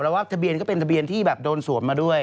แล้วว่าทะเบียนก็เป็นทะเบียนที่แบบโดนสวมมาด้วย